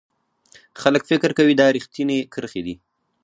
خلک فکر کوي دا ریښتینې کرښې دي.